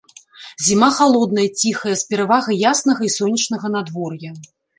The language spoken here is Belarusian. Зіма халодная, ціхая, з перавагай яснага і сонечнага надвор'я.